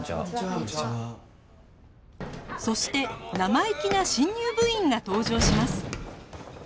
そして生意気な新入部員が登場します